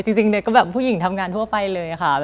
จริงเด็กก็แบบผู้หญิงทำงานทั่วไปเลยค่ะ